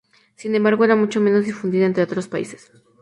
Sin embargo, era mucho menos difundida entre otras especies.